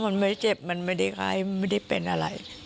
ไม่อ่ะมันไม่ได้เจ็บมันไม่ได้ใครมันไม่ได้เป็นอะไร